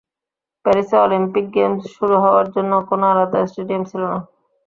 প্যারিসে Olympic games শুরু হওয়ার জন্য কোন আলাদা স্টেডিয়াম ছিল না।